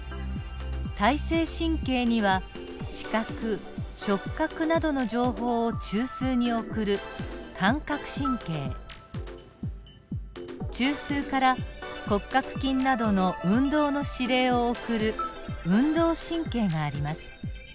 体性神経には視覚触覚などの情報を中枢に送る感覚神経中枢から骨格筋などの運動の指令を送る運動神経があります。